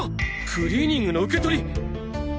クリーニングの受け取り！！